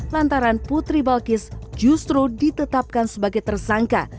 lantaran putri balkis justru ditetapkan sebagai tersangka